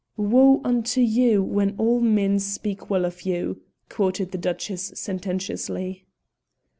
"Woe unto you when all men speak well of you!" quoted the Duchess sententiously.